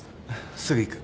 すぐ行く。